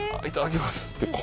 いただきますって。